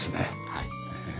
はい。